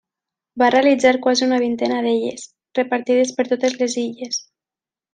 Va realitzar quasi una vintena d'elles, repartides per totes les illes.